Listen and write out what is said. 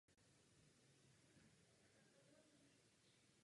Sociální opatření se týkají rybářů samostatně výdělečně činných i zaměstnanců.